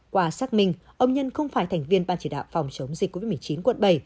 qua xác minh ông nhân không phải thành viên ban chỉ đạo phòng chống dịch covid một mươi chín quận bảy